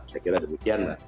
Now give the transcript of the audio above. saya kira demikian